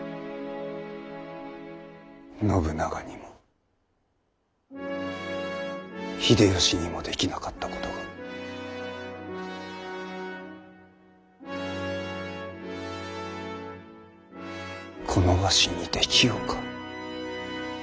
信長にも秀吉にもできなかったことがこのわしにできようか？